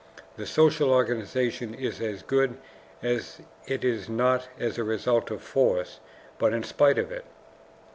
The social organization is as good as it is not as a result of force, but in spite of it.